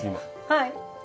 はい。